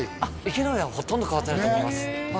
池ノ上はほとんど変わってないと思います